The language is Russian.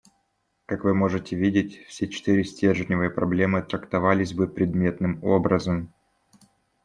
Как вы можете видеть, все четыре стержневые проблемы трактовались бы предметным образом.